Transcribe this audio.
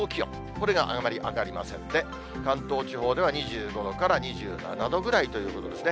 これがあまり上がりませんで、関東地方では２５度から２７度ぐらいということですね。